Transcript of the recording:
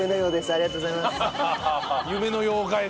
ありがとうございます。